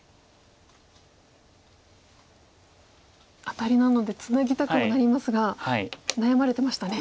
アタリなのでツナぎたくもなりますが悩まれてましたね。